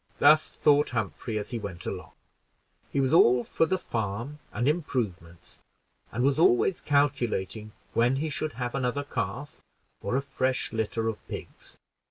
Thus thought Humphrey, as he went along; he was all for the farm and improvements, and was always calculating when he should have another calf, or a fresh litter of pigs.